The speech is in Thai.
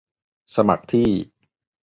สมัครที่